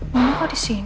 pernah kasihan aku kan